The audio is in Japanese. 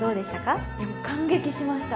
いやもう感激しました。